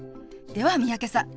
では三宅さん